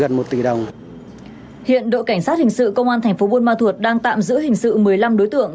hiện đội cảnh sát hình sự công an thành phố buôn ma thuột đang tạm giữ hình sự một mươi năm đối tượng